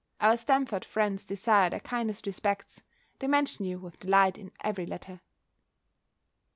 Our Stamford friends desire their kindest respects; they mention you with delight in every letter.